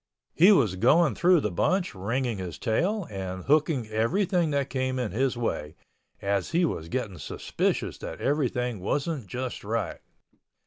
He was going through the bunch ringing his tail and hooking everything that came in his way, as he was getting suspicious that everything wasn't just right.